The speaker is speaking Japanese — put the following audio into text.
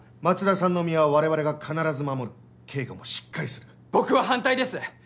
松田さんの身は我々が必ず守る警護もしっかりする僕は反対です！